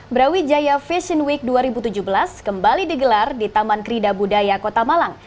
brawijaya fashion week dua ribu tujuh belas kembali digelar di taman kerida budaya kota malang